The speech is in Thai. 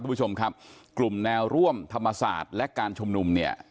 คุณผู้ชมครับกลุ่มแนวร่วมธรรมศาสตร์และการชุมนุมเนี่ย